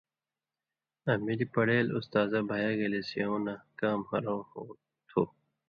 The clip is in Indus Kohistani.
آں ملی پڑیل استازہ بھیاگلے سیوں نہ کام ہرؤں ہو تُھو۔